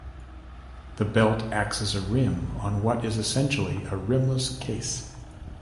The belt acts as a rim on what is essentially a rimless case.